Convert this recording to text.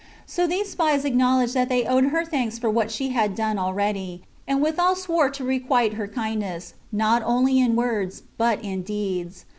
So these spies acknowledged that they owed her thanks for what she had done already, and withal swore to requite her kindness, not only in words, but in deeds.